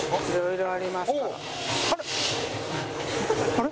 あれ？